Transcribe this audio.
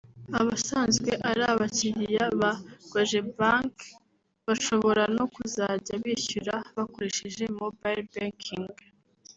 Abasanzwe ari abakiriya ba Cogebanque bashobora no kuzajya bishyura bakoresheje “mobile banking”